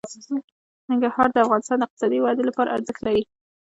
ننګرهار د افغانستان د اقتصادي ودې لپاره ارزښت لري.